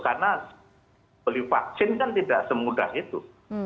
karena beli vaksin kan tidak semudah itu